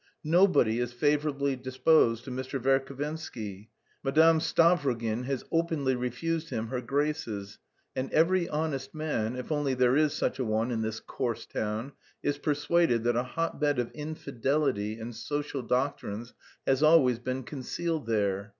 Nobody is favourably disposed to Mr. Verhovensky. Madame Stavrogin has openly refused him her graces, and every honest man, if only there is such a one in this coarse town, is persuaded that a hotbed of infidelity and social doctrines has always been concealed there.